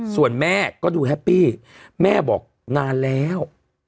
ส่วนแม่ก็ดูแฮปปี้แม่บอกนานแล้ว